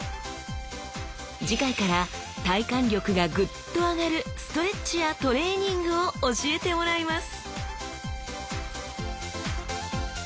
次回から体幹力がグッと上がるストレッチやトレーニングを教えてもらいます！